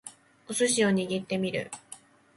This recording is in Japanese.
お寿司を握ってみる